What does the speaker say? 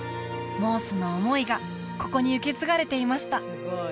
モースの思いがここに受け継がれていました